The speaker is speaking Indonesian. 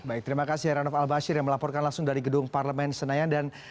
baik terima kasih heranov al bashir yang melaporkan langsung dari gedung parlemen senayan